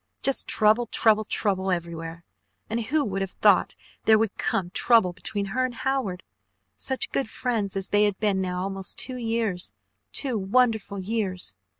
Just trouble, trouble, trouble, everywhere! And who would have thought there would come trouble between her and Howard, such good friends as they had been now almost two years two wonderful years!